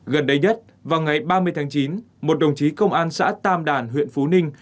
gần đây nhất vào ngày ba mươi tháng chín một đồng chí công an xã tam đàn huyện phú ninh